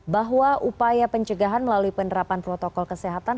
bahwa upaya pencegahan melalui penerapan protokol kesehatan